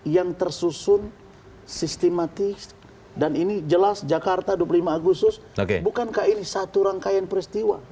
yang tersusun sistematis dan ini jelas jakarta dua puluh lima agustus bukankah ini satu rangkaian peristiwa